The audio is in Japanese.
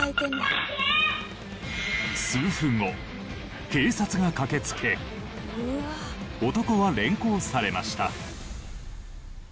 数分後警察が駆けつけ男は連行されました。